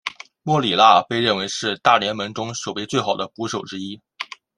莫里纳被认为是大联盟中守备最好的捕手之一。